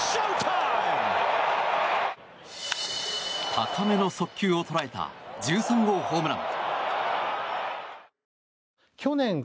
高めの速球を捉えた１３号ホームラン！